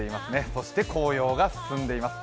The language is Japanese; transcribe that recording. そして紅葉が進んでいます。